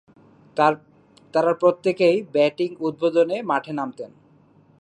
তারা প্রত্যেকেই ব্যাটিং উদ্বোধনে মাঠে নামতেন।